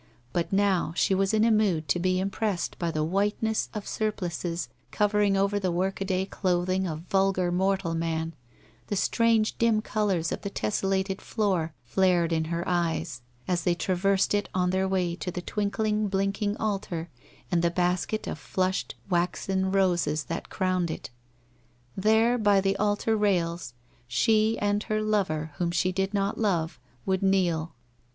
But now she was in a mood to be impressed by the whiteness of surplices covering over the workaday clothing of vulgar mortal man, the strange dim colours of the tessellated floor flared in her eyes, as they traversed it on their way to the twinkling blinking altar and the basket of flushed waxen roses that crowned it There, by the altar rails, she and her lover whom she did not love, would kneel